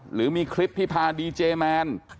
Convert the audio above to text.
หรือมีคลิปที่พาดีเจแมน